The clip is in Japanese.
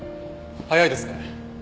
早いですね。